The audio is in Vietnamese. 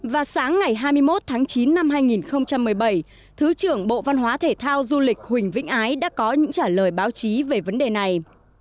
và sáng ngày hai mươi một tháng chín năm hai nghìn một mươi bảy thứ trưởng bộ văn hóa thể thao du lịch huỳnh vĩnh ái đã có những trả lời báo chí về vấn đề này